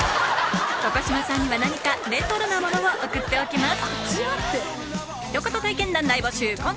床嶋さんには何かレトロなものを送っておきます